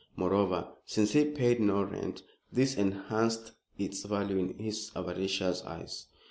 Moreover, since he paid no rent, this enhanced its value in his avaricious eyes.